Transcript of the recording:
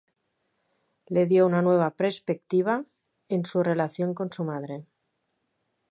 Le dio una nueva perspectiva en su relación con su madre.